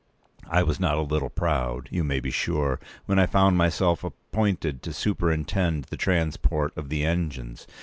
I was not a little proud, you may be sure, when I found myself appointed to superintend the transport of the engines.